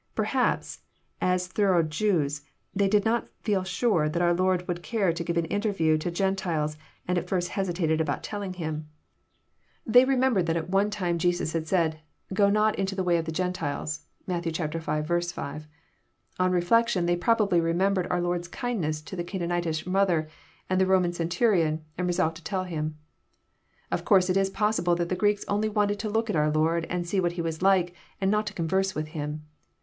Perhaps, as thorough Jews, ^ey did not feel sure that our Lord would care to give an interview to Gen tiles, and at first hesitated about telling Him. They remembered \ JOHN, CHAP, xn. 337 that at one time Jesns had said, <*Go pot into the way of the Gentiles." (Matt. x. 5.y~~On reflection they probably remem ^ bered oar Lord's kindness to the Canaanitlsh tnother, and the Boman centurion, and resolved to tell Him. . Of course it is possible that the Greeks only wanted to look at our Lord and see what He was like, and not to converse with Him.